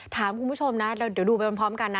ถามคุณผู้ชมนะเดี๋ยวดูไปพร้อมกันนะ